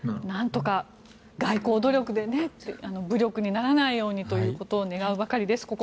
なんとか外交努力で武力にならないようにということを願うばかりです。